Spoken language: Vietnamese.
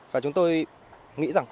và chúng tôi nghĩ rằng